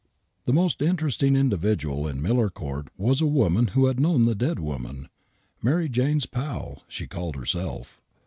The most interesting individual in Miller Court was a woman who had known the dead woman. Mary Jane's pal, she called herself.